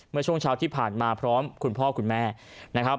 เมื่อช่วงเช้าที่ผ่านมาพร้อมคุณพ่อคุณแม่นะครับ